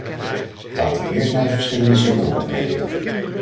Laten we eens naar de verschillende sectoren kijken.